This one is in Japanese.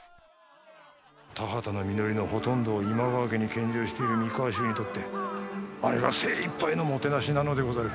田畑の実りのほとんどを今川家に献上している三河衆にとってあれが精いっぱいのもてなしなのでござる。